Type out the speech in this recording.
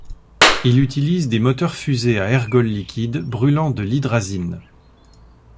Il utilise des moteurs-fusées à ergols liquides brûlant de l'hydrazine.